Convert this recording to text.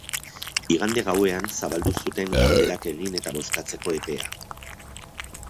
Igande gauean zabaldu zuten galderak egin eta bozkatzeko epea.